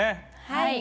はい！